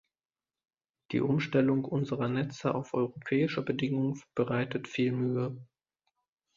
Die Umstellung unserer Netze auf europäische Bedingungen bereitet viel Mühe.